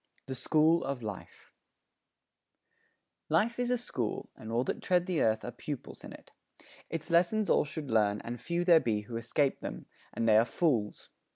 THE SCHOOL OF LIFE Life is a school, and all that tread the earth Are pupils in it. Its lessons all should learn, And few there be who escape them and they are fools.